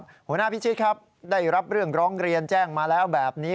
หัวหน้าพิชิตครับได้รับเรื่องร้องเรียนแจ้งมาแล้วแบบนี้